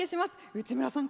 内村さん